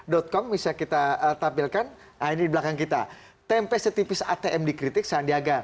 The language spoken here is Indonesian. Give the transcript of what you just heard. jokowi dan sandi